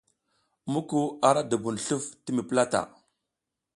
Muku a la dubun sluf ti mi plata.